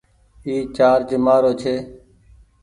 اي چآرجر مآرو ڇي ۔